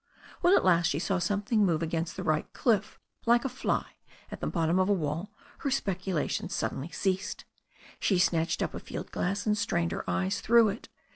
When at last she saw something move against the right cliff, like a fly at the bottom of a wall, her speculations sud denly ceased. She snatched up a field glass and strained her eyes through it.